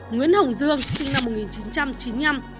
nguyễn hồng dương sinh năm một nghìn chín trăm chín mươi năm